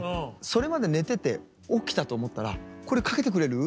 それまで寝てて起きたと思ったら「これかけてくれる？」